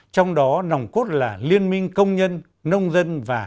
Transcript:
trong đó nòng cốt là liên minh công nhân nông dân và